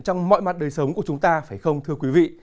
trong mọi mặt đời sống của chúng ta phải không thưa quý vị